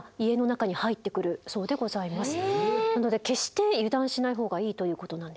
なので決して油断しないほうがいいということなんです。